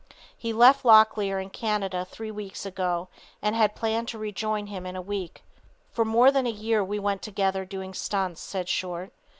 He left Locklear in Canada three weeks ago and had planned to rejoin him in a week. "For more than a year we went together doing stunts," said Short.